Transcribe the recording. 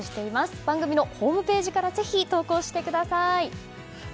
番組のホームページからぜひ投稿してください。